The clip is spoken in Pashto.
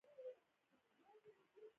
خدای دې څوک نه وږي کوي.